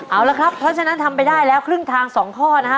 เอาละครับเพราะฉะนั้นทำไปได้แล้วครึ่งทาง๒ข้อนะฮะ